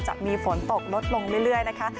จะมีฝนตกลดลงเรื่อยนะคะ